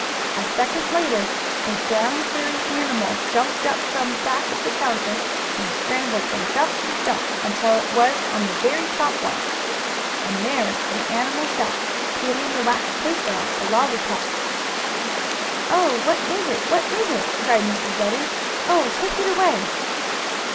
A second later a brown, furry animal jumped up from back of the counter, and scrambled from shelf to shelf, until it was on the very top one. And there the animal sat, peeling the wax paper off a lollypop. "Oh, what is it? What is it?" cried Mrs. Redden. "Oh, take it away!"